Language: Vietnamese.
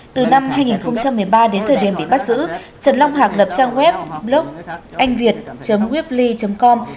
từ năm hai nghìn một mươi ba đến thời điểm bị bắt giữ trần long hạc lập trang web blog anhviet weebly com